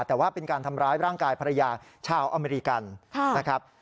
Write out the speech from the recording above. แต่ว่าเป็นการทำร้ายร่างกายภรรยาชาวอเมริกันนะครับ